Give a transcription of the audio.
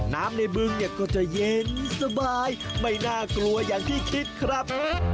น้ำในบึงเนี่ยก็จะเย็นสบายไม่น่ากลัวอย่างที่คิดครับ